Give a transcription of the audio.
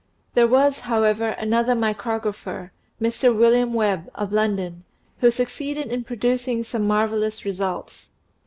There was, however, another micrographer, Mr. William Webb, of London, who succeeded in producing some mar vellous results.